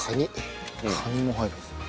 カニも入るんですね。